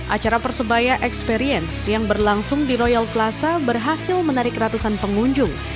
acara persebaya experience yang berlangsung di royal plaza berhasil menarik ratusan pengunjung